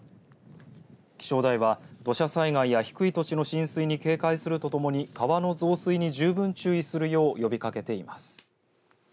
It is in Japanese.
気象台は土砂災害や低い土地の浸水に警戒するとともに川の増水に十分注意するよう呼びかけています。